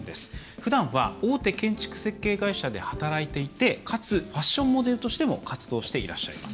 ふだんは大手建築設計会社で働いていてかつファッションモデルとしても活動していらっしゃいます。